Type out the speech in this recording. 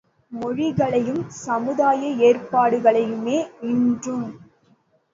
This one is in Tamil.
மொழிகளையும், சமுதாய ஏற்பாடுகளையுமே இன்றும்